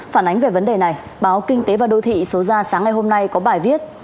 phản ánh về vấn đề này báo kinh tế và đô thị số ra sáng ngày hôm nay có bài viết